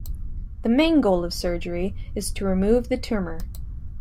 The main goal of surgery is to remove the tumor.